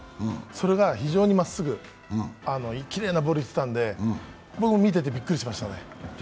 それが非常にまっすぐ、きれいなボールがいってたんで、僕、見ててびっくりしましたね。